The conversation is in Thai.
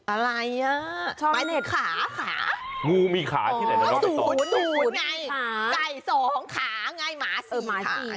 อะไรน่ะชาวเน็ตหมายถึงขาขา